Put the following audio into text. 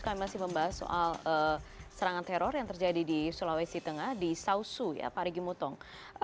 kami masih membahas soal serangan teror yang terjadi di sulawesi tengah di sausu ya pak rigi mutong